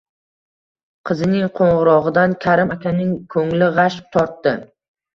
Qizining qo`ng`irog`idan Karim akaning ko`ngli g`ash tortdi